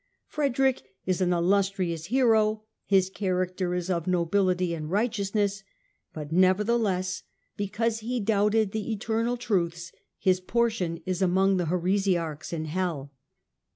Frederick is an " illustrious hero," his character is " of nobility and righteousness "; but nevertheless, because he doubted the eternal truths, his portion is among the heresiarchs in hell.